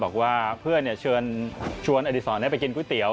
บอกว่าเพื่อนชวนอดีศรไปกินก๋วยเตี๋